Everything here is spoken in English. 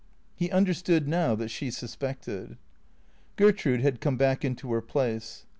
He understood now that she suspected. Gertrude had come back into her place.